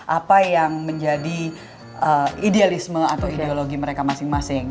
apa yang menjadi idealisme atau ideologi mereka masing masing